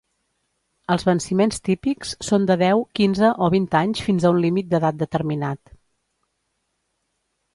Els venciments típics són de deu, quinze o vint anys fins a un límit d'edat determinat.